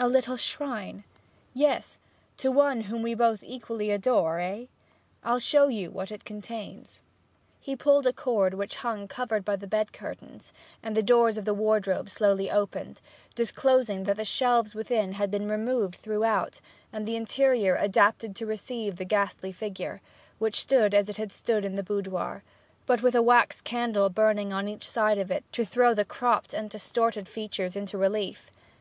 'A little shrine?' 'Yes; to one whom we both equally adore eh? I'll show you what it contains.' He pulled a cord which hung covered by the bed curtains, and the doors of the wardrobe slowly opened, disclosing that the shelves within had been removed throughout, and the interior adapted to receive the ghastly figure, which stood there as it had stood in the boudoir, but with a wax candle burning on each side of it to throw the cropped and distorted features into relief.